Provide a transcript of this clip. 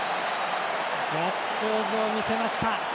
ガッツポーズを見せました。